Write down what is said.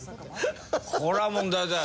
これは問題だよな。